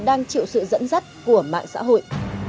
đang chịu sự dẫn dắt của mạng xã hội